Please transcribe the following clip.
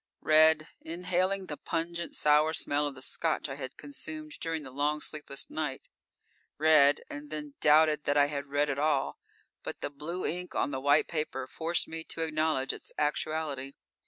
Read, inhaling the pungent, sour smell of the Scotch I had consumed during the long, sleepless night. Read, and then doubted that I had read at all but the blue ink on the white paper forced me to acknowledge its actuality.